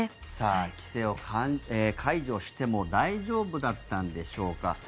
規制を解除しても大丈夫だったんでしょうか。